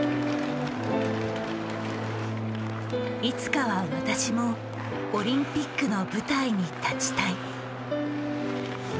いつかは私もオリンピックの舞台に立ちたい。